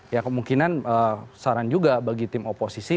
ya kemungkinan saran juga bagi tim oposisi